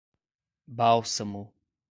Bálsamo